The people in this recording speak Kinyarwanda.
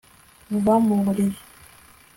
uva mu buriri